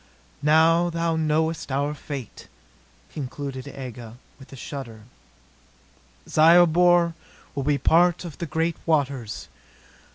"Now thou knowest our fate," concluded Aga with a shudder. "Zyobor will be a part of the great waters.